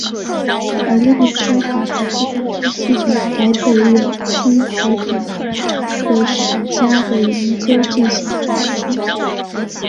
而另一说法则是根据继承海北友松血统的史家的研究进行考证。